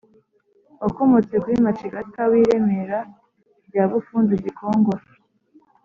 wakomotse kuri macigata w' i remera rya bufundu gikongoro .